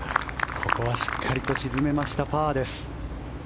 ここはしっかりと沈めましたパーです。